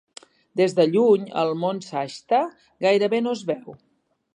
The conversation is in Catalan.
Des de lluny, el mont Shasta gairebé no es veu.